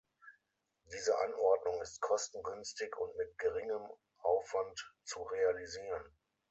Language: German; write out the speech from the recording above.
Diese Anordnung ist kostengünstig und mit geringem Aufwand zu realisieren.